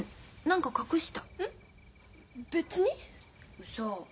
うそ。